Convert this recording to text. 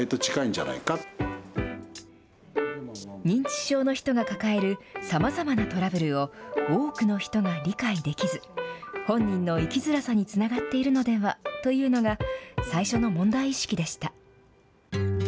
認知症の人が抱えるさまざまなトラブルを、多くの人が理解できず、本人の生きづらさにつながっているのではというのが、最初の問題意識でした。